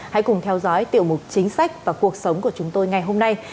hãy cùng theo dõi tiểu mục chính sách và cuộc sống của chúng tôi ngày hôm nay